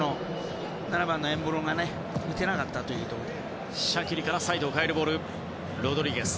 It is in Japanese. ７番のエンボロが打てなかったということで。